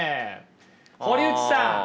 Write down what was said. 堀内さん